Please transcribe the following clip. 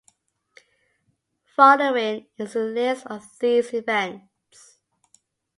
Following is the list of these events.